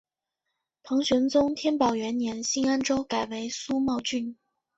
唐玄宗天宝元年新安州改为苏茂郡。